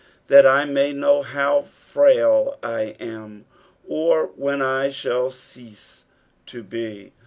"That I may hunt lioui frail I am," or when I shall cease to be.